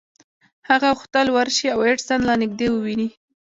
هغه غوښتل ورشي او ایډېسن له نږدې وويني.